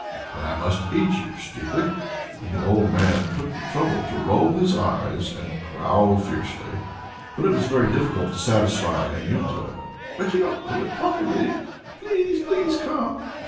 "Then I must eat you, stupid!" And the old man took the trouble to roll his eyes and growl fiercely. But it was very difficult to satisfy Anjuta. "But you don't do it properly. Please, please come!"